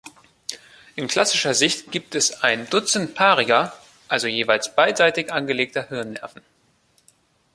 In klassischer Sicht gibt es ein Dutzend paariger, also jeweils beidseitig angelegter Hirnnerven.